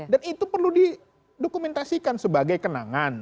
dan itu perlu didokumentasikan sebagai kenangan